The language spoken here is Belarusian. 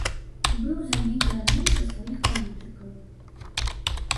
Быў забіты адным са сваіх палітыкаў.